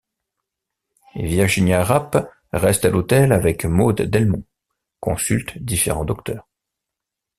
Virginia Rappe reste à l'hôtel avec Maude Delmont, consulte différents docteurs.